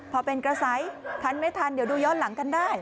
พอเป็นกระแสทันไม่ทันเดี๋ยวดูย้อนหลังกันได้